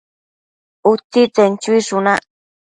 Utsitsen chuishunac